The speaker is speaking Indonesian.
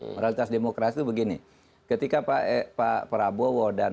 moralitas demokrasi itu begini ketika pak prabowo dan